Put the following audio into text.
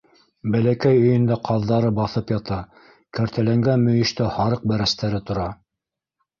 Бәләкәй өйөндә ҡаҙҙары баҫып ята, кәртәләнгән мөйөштә һарыҡ бәрәстәре тора.